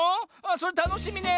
それたのしみね。